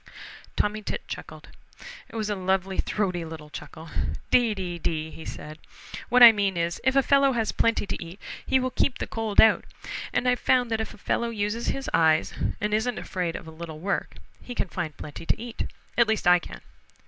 Tommy Tit chuckled. It was a lovely throaty little chuckle. "Dee, dee, dee!" said he. "What I mean is, if a fellow has plenty to eat he will keep the cold out, and I've found that if a fellow uses his eyes and isn't afraid of a little work, he can find plenty to eat. At least I can.